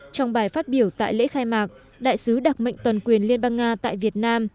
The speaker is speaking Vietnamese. trong bài phát biểu tại lễ khai mạc đại sứ đặc mệnh toàn quyền liên bang nga tại việt nam